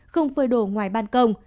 không phơi đồ ngoài ban công